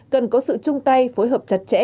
cần có sự chung tay phối hợp chặt chẽ